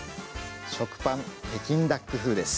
食パン北京ダック風です。